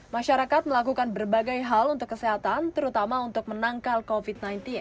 masyarakat melakukan berbagai hal untuk kesehatan terutama untuk menangkal covid sembilan belas